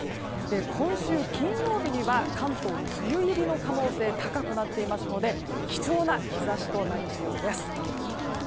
今週金曜日には関東、梅雨入りの可能性が高くなっていますので貴重な日差しとなりそうです。